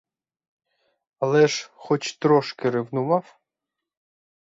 Але ж хоч трошки ревнував?